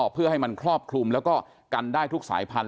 เพื่อให้มันครอบคลุมแล้วก็กันได้ทุกสายพันธ